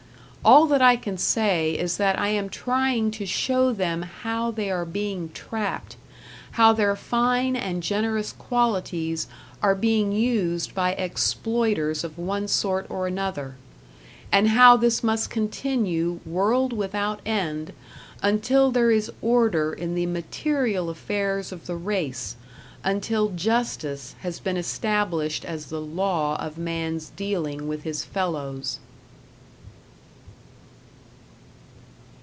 All that I can say is that I am trying to show them how they are being trapped, how their fine and generous qualities are being used by exploiters of one sort or another; and how this must continue, world without end, until there is order in the material affairs of the race, until justice has been established as the law of man's dealing with his fellows.